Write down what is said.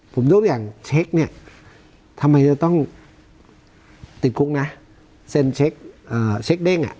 ผมยกอย่างเช็คเนี่ยทำไมจะต้องติดคุกนะเซ็นเช็คเด้งอ่ะ